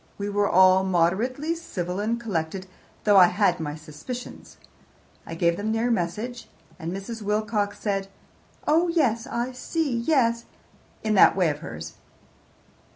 We were all moderately civil and collected, though I had my suspicions. I gave them your message, and Mrs. Wilcox said, 'Oh yes, I see; yes,' in that way of hers."